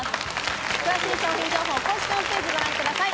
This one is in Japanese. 詳しい商品情報、公式ホームページをご覧ください。